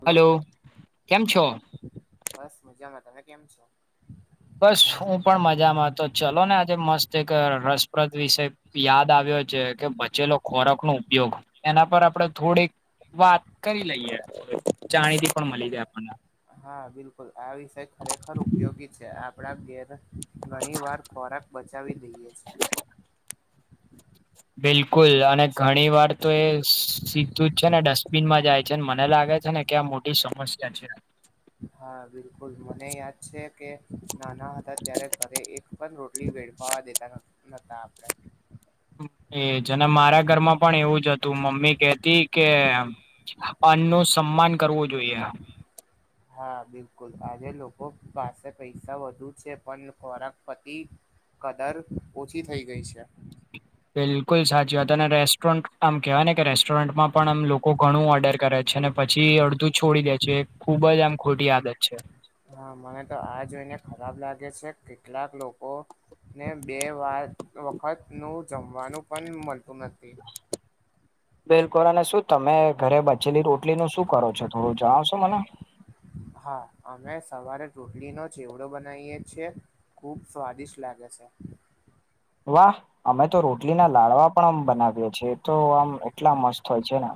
Hello કેમ છો બસ મજામાં તમે કેમ છો બસ હું પણ મજામાં હતો ચલો ને આજે મસ્ત એક રસપ્રદ વિષ યાદ આવ્યો છે કે બચેલો ખોરાક નો ઉપયોગ એના પર આપણે થોડીક વાત કરી લઈએ જાણીથી પણ મળી જાય આપણને હા બિલકુલ આ વિષય ખરેખર ઉપયોગી છે આપડા ઘેર ઘણી વાર ખોરાક બચાવી દઈએ છે બિલકુલ અને ઘણી વાર તો એ સીધું જ છે ને ડસ્ટબિનમાં જાય છે ને મને લાગે છે ને ક્યાં મોટી સમસ્યા છે હા બિલકુલ મને યાદ છે કે નાના હતા ત્યારે ઘરે એક પણ રોટલી ભેડ પાવા દેતા નતા આપણે એજને મારા ઘરમાં પણ એવું જ હતું મમ્મી કેહતી કે અન્ ન સન્માન કરવો જોઈએ હા બિલકુલ આજે લોકો પાસે પૈસા વધુ છે પણ ખોરાક પતિ કદર ઓછી થઈ ગઈ છે બિલકુલ સાચી વાત અને રેસ્ટોરન્ટ આમ કહેવાય ને કે રેસ્ટોરન્ટમાં પણ આમ લોકો ઘણું ઓર્ડર કરે છે ને પછી અડધું છોડી દે છે એ ખુબ જ આમ ખોટી આદત છે હા મને તો આ જોઈને ખરાબ લાગે છે કેટલાક લોકો ને બે વા વખત નું જમવાનું પણ મળતું નથી બિલકુલ અને શું તમે ઘરે બચેલી રોટલી નું શું કરો છો થોડું જણાવશો મને હા અમે સવારે રોટલી નો ચેવડો બનાવીયએ છીએ ખુબ સ્વાદિષ્ટ લાગે છે વાહ અમે તો રોટલીના લાડવા પણ આમ બનાવીએ છ છેએ તો આમ એટલા મસ્ત હોય છે ને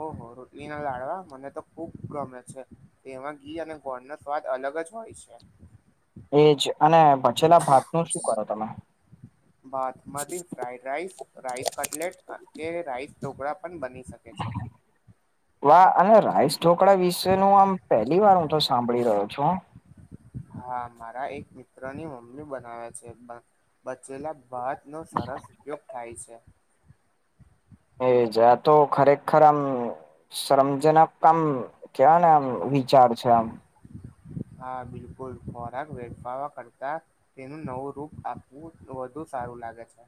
ઓહો રોટલી ના લાડવા મને તો ખુબ ગમે છે તેમાં ઘી અને ગોળ નો સ્વાદ અલગ જ હોય છે એજ અને ભચેલા ભાત નું શું કરો તમે બાથમાંથી ફ્રાઈડ રાઈસ રાઈસ કટલેટ કે રાઈસ ઢોકળા પણ બની શકે ઠ છે વા અને રાઈસ ઢોકળા વિશે ન આમ પહેલી વાર હું તો સાંભળી રહ્યો છું. હા મારા એક મિત્ર ની મમ્મી બનાવે છે બચેલા ભત નો સરસ ઉપયોગ થાય છે. એ જ તો ખરેખર શ્રમજનકમ ક્યાને એમ વિચાર છે આમ હા બિલકુલ ખોરાક વેરફાવ કરતા તેનું નવું રૂપ આપવું વધુ સારું લાગે છે.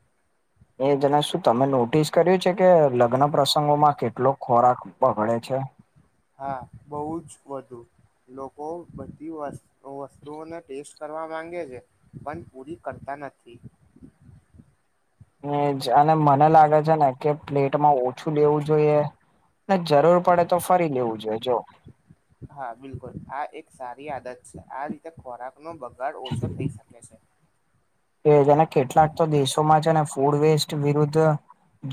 એ જેને શું તમે નોટિસ કર્યું છે કે લગ્ન પ્રસંગોમાં કેટલો ખોરાક પકડે છે હા બહુ જ વધુ લોકો બધી વસ્તુઓને ટેસ્ટ કરવા માંગે છે. પણ પૂરી કરતા નથી એ જ અને મને લાગે છે ને કે પ્લેટમાં ઓછું લેવું જોઈએ જરૂર પડે તો ફરી લેવું જોઈએ જો હા બિલકુલ આ એક સારી આદત છે આ રીતે ખોરાક નો બગાડ ઓછો થઈ શકે યસ સર કે જેને કેટલાક તો દેશોમાં છે ને ફૂડ વેસ્ટ વિરુદ્ધ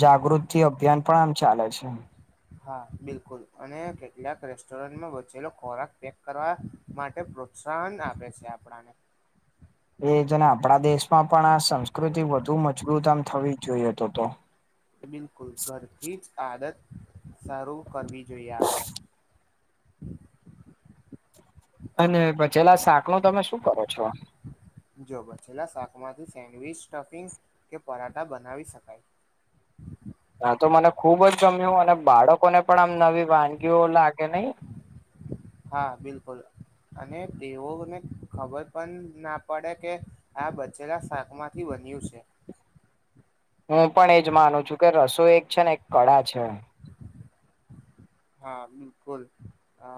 જાગૃતિ અભિયાન પણ આમ ચાલે છે. હા બિલકુલ અને કેટલાક રેસ્ટોરન્ટમાં બચેલો ખોરાક પેક કરવા માટે પ્રોત્સાહન આપે છે આપણાને એ છે ને આપણા દેશમાં પણ આ સંસ્કૃતિ વધુ મજબૂત આમ થવી જ જોઈએ તો તો બિલકુલ ઘરથી જ આદત સારરૂ કરવી જોઈએ આપણેે અને પછેલા શાક નો તમે શું કરો છો જો બછેલા શાકમાંથી સેન્ડવિચ સ્ટફિંગ કે પરાઠા બનાવી શકાય નાા તો મને ખુબ જ ગમ્યું અને બાળકોને પણ આમ નવી વાનગીઓ લાગે નહી. હા બિલકુલ અને તેઓને ખબર પણ ના પડે કે આ બચેલા શાક માં બન્યું છે હું પણ એજ માનું છું કે રસોઈ એક છે ને એક કળા છે. હા બિલકુલ અ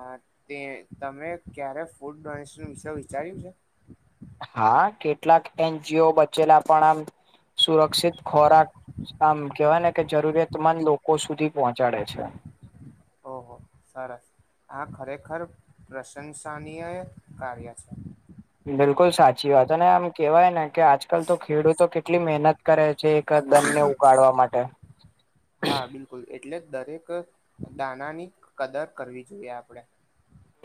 તે તમે ક્યારે ફૂડ ડોનેશન વિષ વિચાર્યું છે. હા કેટલાક એનજીઓ બચેલા પણ આમ સુરક્ષિત ખોરાક આમ કેવાય ને કે જરૂરતમંદ લોકો સુધી પહોંચાડે છે. ઓહ સરસ આ ખરેખર પ્રશંસનીય કાર્ય છે. બિલકુલ સાચી વાત ને આમ કેવાય ને કે આજકાલ તો ખેડૂતો કેટલી મહેનત કરે છે એક દંડને ઉગાડવા માટે હા બિલકુલ એટલે દરેક દાનાની કદર કરવી જોઈએ આપડે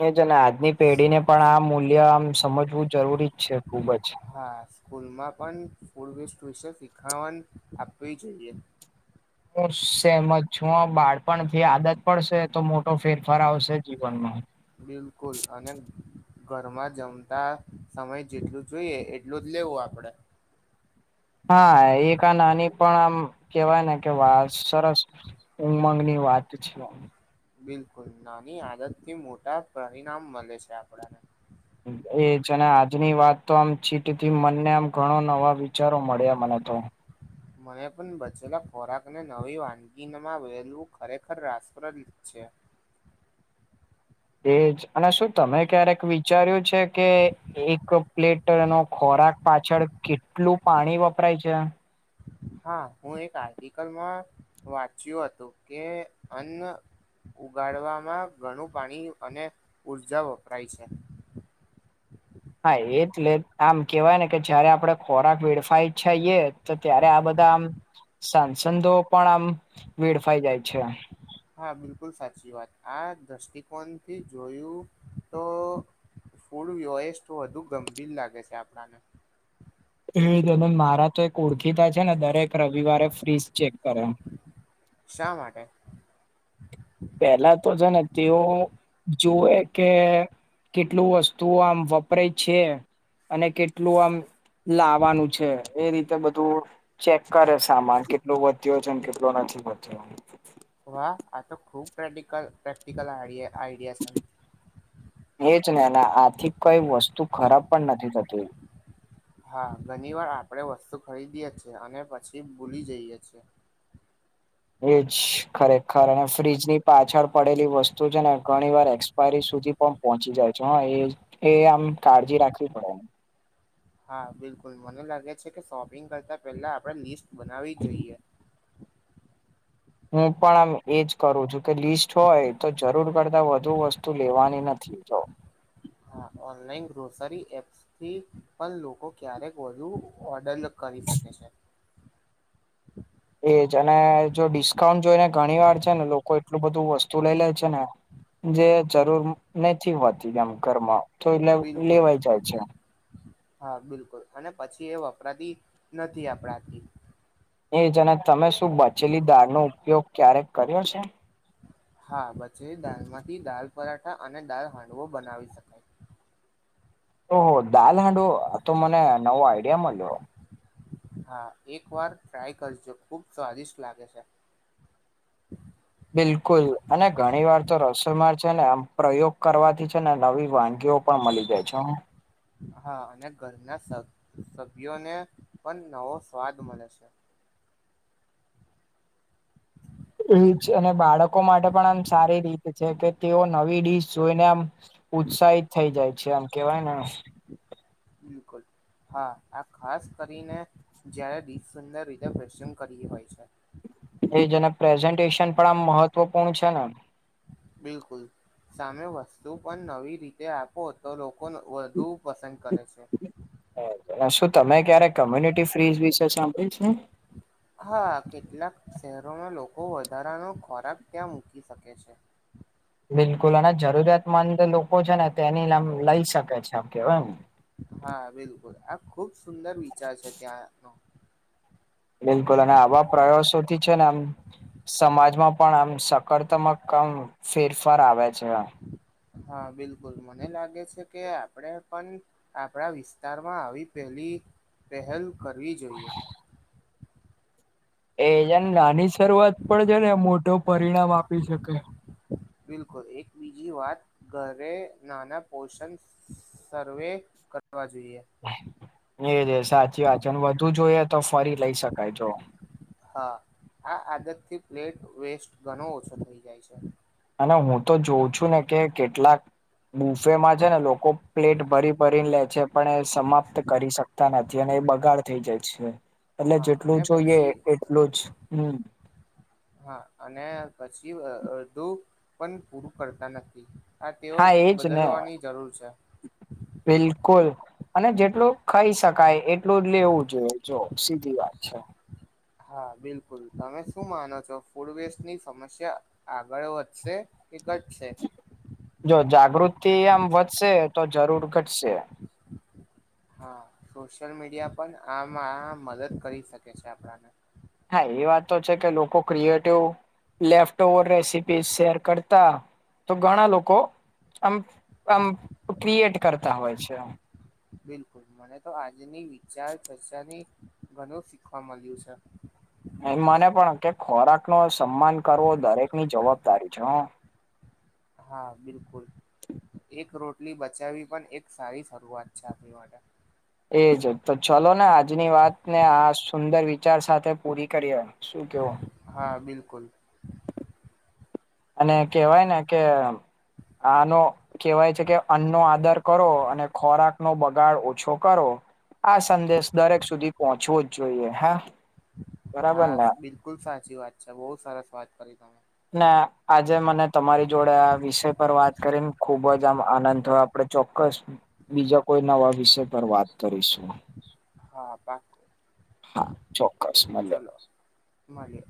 એ જ ને આજની પેઢી ને પણ આ મૂલ્ય આમ સમજવું જરૂરી જ છે ખુબ જ હા સ્કૂલમાં પણ ફૂડ વસ્ટ વિશે શીખવા આપવી જોઈએ હ સેમ જ છું બાળપણથી આદત પડશે તો મોટો ફેરફાર આવશે જીવનમાં બિલકુલ અનેનંદ ઘરમાં જમતા સમય જેટલું જોઈએ એટલું જ લેવું આપડે હા એ નાની પણ આમ કેવાય ને કે વાત સરસ ઉમંગ ની વાત છ બિલકુલ નાની આદત થી મોટા પરિણામ મળે છે આપણને એજ આજની વાત તો આમ ચીટથી મને આમ ઘણો નવા વિચારો મળ્યા મને તો મને પણ બચેલા ખોરાકને નવી વાનગીમાં વહેલવું ખરેખર રાસપ્રદ છે. એજ અને શું તમે ક્યારેક વિચાર્યું છે કે એક પ્લેટ નો ખોરાક પાછળ કેટલું પાણી વપરાય છે. હા હું એક આર્ટિકલમાં વાંચ્યું હતું, કે અન્ન ઉગાડવામાં ઘણું પાણી અને ઉર્જા વપરાય છે. હા એટલે આમ કેવાય ને કે જયારે આપડે ખોરાક વેડફાય છએ તો ત્યારે આ બધા આમ સાંસંદો પણ આમ વેડફાઈ જાય છે. હા બિલકુલ સાચી વાત, આ દ્રષ્ટિકોણથી જોયું તો ફૂડ વ એસ્ટ તો વધુ ગંભીર લાગે છે આપણાને. એવે જનમ મારા તો એક ઓળખીતા છે ને દરેક રવિવારે ફ્રીઝ ચેક કરે. શા માટે? પેલા તો જે ને તેઓ જુવે કે કેટલું વસ્તુઓ આમ વપરાય છે. અને કેટલું આમ લાવવાનું છે. એ રીતે બધું ચેક કરે સામાન કે કેટલો વધ્યો છે ને કેટલો નથી વધ્યો. વાહ આ ખૂબ પ્ર્ટિકલ પ્રેક્ટિકલ આઈડિયા છે. એ જ ને આથી કઈ વસ્તુ ખરાબ પણ નથી થતી. હા ઘણી વાર આપણેે વસ્તુ ખરીદીએ છીએ અને પછી ભૂલી જઈએ છીએ. એજ ખરેખર અને ફ્રીજ ની પાછળ પડેલી વસ્તુ છે ને ઘણી વાર એ એક્સ પારી સુધી પણ પહોંચી જાય છે. હ એ આમ કાળજી રાખવી પડે એમ. હા બિલકુલ મને લાગે છે કે શોપિંગ કરતાં પહેલા આપણે લિસ્ટ બનાવી જોઈએ. હું પણ આમ એજ કરું છું કે લિસ્ટ હોય તો જરૂર કરતા વધુ વસ્ તું લેવાની નથી તો. હા ઓનલાઈન ગ્રોસરી એપસ થી પણ લોકો ક્યારેક વધુ ઓર્ડલ કરી શકે છે. એજ અને જો ડિસ્કાઉન્ટ જોઈને ઘણી વાર છે ને, લોકો એટલું બધું વસ્તુ લઈ લે છે ને. જે જરૂર નથી હોતી ગામ ઘરમાં. તો એટલે બિલકુલ. લેવાઈ જાય છે હા બિલકુલ અને પછી એ વપરાતી નથી આપણાથી. એજ અને તમે શું બચેલી દાળનો ઉપયોગ ક્યારેક કર્યો છે? હા બચે દાલમાંથી દાલ પરાઠા અને દાલ હાંડવો બનાવી શકે. ઓહો દાલ હાંડુઓ, આતો મને નવો આઈડિયા મળ્યો. હા એક વાર ટ્રાય કરજો, ખુબ સ્વાદિષ્ટ લાગે છે. બિલકુલ અને ઘણી વાર તો રસોમાંર છે, ને આમ પ્રયોગ કરવાથી છે ને નવી વાનગીઓ પણ મલી જાય છે ન હા અને ઘરના શ સભ્યોને પણ નવો સ્વાદ મલે છે. એજ અને બાળકો માટે પણ આમ સારી રીત છે કે તેઓ નવી ડીશ જોઈને આમ ઉત્સાહિત થઈ જાય છે. એમ કેવાય ને બિલકુલ. હા આ ખાસ કરીને જયારે દિશ સુંદર રીતે પ્રસન કરી હોય છે. એજ ને પ્રેઝન્ટેશન પણ આમ મહત્વપૂર્ણ છે ને? બિલકુલ. સામે વસ્તુ પણ નવી રીતે આપો તો લોકોન વધુ પસંદ કરે છે. શું તમે ક્યારે કોમ્યુનિટી ફ્રીઝ વિશે સાંભળીયુ છે? હા કેટલાક શહેરોમાં લોકો વધારાનો ખોરાક ત્યાં મૂકી શકે છે. બિલકુલ અને જરૂરિયાતમંદ લોકો છે ને તેની લમ લઈ શકે છે, કેવાયને. હા બિલકુલ, આ ખુબ સુંદર વિચાર છે ત્યાંનો. બિલકુલ અને આવા પ્રયાસોથી છે ને આમ સમાજમાં પણ આમ સ કર તમક મ ફેરફાર આવે છે. હા બિલકુલ મને લાગે છે કે આપડે પણ આપણા વિસ્તારમાં આવી પહેલી પહેલ કરવી જોઈએ. એજને નાની શરૂઆત પર છે ને મોટો પરિણામ આપી શકે. બિલકુલ એક બીજી વાત ઘરે નાના પોષણ સર્વે કરવા જોઈએ. એજ સાચી વાત છે અને વધુ જોઈએ તો ફરી લઈ શકાય જો. હા આ આદતથી પ્લેટ વેસ્ટ ઘણો ઓછો થઈ જાય છે અને હું તો જોઉં છું ને કે કેટલાક બુફેમાં છે ને લોકો પ્લેટ ભરી ભરીને લે છે પણ એ સમાપ્ત કરી શક નથી અને એ બગાડ થઈ જાય છે એટલે હા જેટલું અને જોઈએ પછી એટલું જ હમ હા અને પછી અડધું પણ પૂરું કરતા નથી હા તેઓ એજ ને બદલવાની જરૂર છે બિલકુલ અને જેટલું ખાઈ શકાય એટલું લેવું જોઈએ જો સીધી વાત છે હા બિલકુલ તમે શું માનો છો ફૂડ વેસ્ટની સમસ્યા આગળ વધશે એ ઘટ છે જો જાગૃતિ આમ વધશે તો જરૂર ઘટશે હા સોશિયલ મીડિયા પણ આમ આ મદદ કરી શકે છે આપણાને હા એ વાત તો છે કે લોકો ક્રિએટિવ લેફ રેસીપી શેર કર તો ઘણા લોકો આમ આમ ક્રિએટ કરતા હોય છે બિલકુલ મને તો આજની વિચાર ચર્ચાની ઘણું શીખવા મળ્યું છે એ મને પણ કે ખોરાક નો સન્માન કરવો દરેકની જવાબદારી છે હા બિલકુલ એક રોટલી બચાવી પણ એક સારી શરૂઆત છે આપણી માટે એજ તો ચલો ને આજની વાતને આ સુંદર વિચાર સાથે પૂરી કરી હો શું કહેવો હા બિલકુલ અને કેહેવાય ને કે આનો કહેવાય છે કે અન્નનો આદર કરો અને ખોરાક નો બગાડ ઓછો કરો આ સંદેશ દરેક સુધી પહોંચવો જ જોઈએ હા બરાબર હા ને બિલકુલ સાચી વાત છે બહુ સરસ વાત કરી તમે ને આજે મને તમારી જોડે આ વિષય પર વાત કરીને ખુબ જ આમ આનંદ આપ આપણે ચોક્કસ બીજા કોઈ નવા વિષય પર વાત કરીશું હા પણ હા ચોક્કસ મળ માે